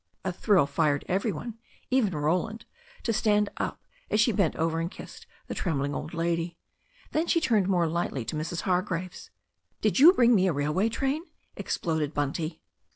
A thrill fired every one, even Roland, to stand up, as she bent over and kissed the trembling old lady. Then she turned more lightly to Mrs. Hargraves. 'Did you bring me a railway train?" exploded Bunty.